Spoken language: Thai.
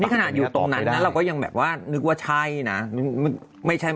นี่ขนาดอยู่ตรงนั้นนะเราก็ยังแบบว่านึกว่าใช่นะ